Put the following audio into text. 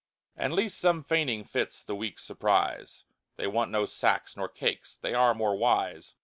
And least some fainting fits the weak surprize, They want no sack nor cakes, they are more wise.